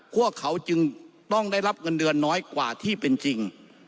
พวกเขาจึงต้องได้รับเงินเดือนน้อยกว่าที่เป็นจริง